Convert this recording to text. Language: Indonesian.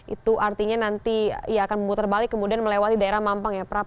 itu artinya nanti ia akan memutar balik kemudian melewati daerah mampang ya prap